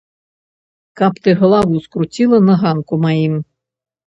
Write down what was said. Каб ты галаву скруціла на ганку маім!